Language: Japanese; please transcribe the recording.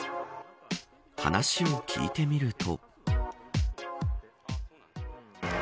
話を聞いてみると。